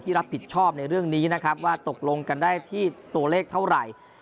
รับผิดชอบในเรื่องนี้นะครับว่าตกลงกันได้ที่ตัวเลขเท่าไหร่